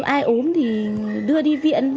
ai ốm thì đưa đi viện